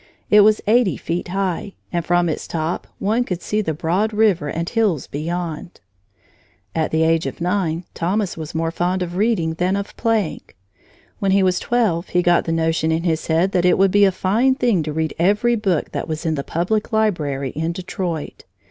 It was eighty feet high, and from its top one could see the broad river and hills beyond. At the age of nine, Thomas was more fond of reading than of playing. When he was twelve, he got the notion in his head that it would be a fine thing to read every book that was in the Public Library in Detroit.